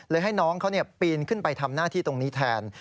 ให้น้องเขาปีนขึ้นไปทำหน้าที่ตรงนี้แทน